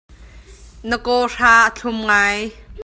Na kawhra a thlum ngai.